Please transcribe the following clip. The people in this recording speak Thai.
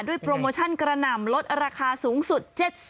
โปรโมชั่นกระหน่ำลดราคาสูงสุด๗๐